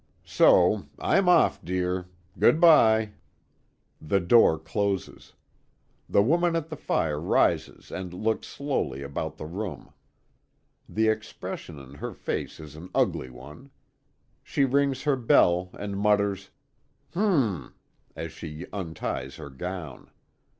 "So I'm off, dear. Good bye." The door closes. The woman at the fire rises and looks slowly about the room. The expression in her face is an ugly one. She rings her bell, and mutters, "H'm!" as she unties her gown.